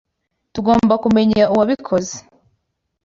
Tugomba kumenya uwabikoze.